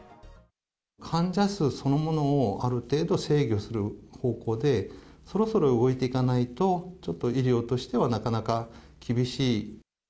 患者数そのものをある程度制御する方向で、そろそろ動いていかないと、ちょっと医療としてはなかなか厳しい。